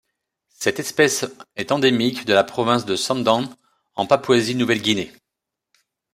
Cette espèce est endémique de la province de Sandaun en Papouasie-Nouvelle-Guinée.